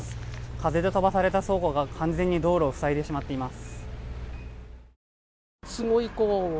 風で飛ばされた倉庫が完全に道路を塞いでしまっています。